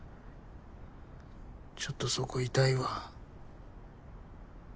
ちょっとそこ痛いわ。